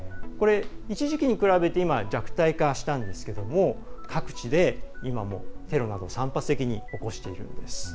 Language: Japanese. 一時期に比べて弱体化したんですが各地で、今もテロなどを散発的に起こしているんです。